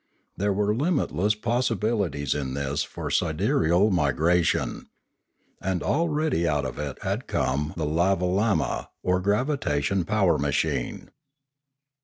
There were limitless possibilities in this for sidereal Pioneering 47 l migration. And already out of it had come the lavo lamma or gravitation power machine.